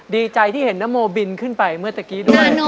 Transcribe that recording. ดีใจที่เห็นนโมบินขึ้นไปเมื่อตะกี้ด้วย